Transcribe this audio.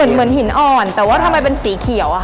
เหมือนหินอ่อนแต่ว่าทำไมเป็นสีเขียวอะค่ะ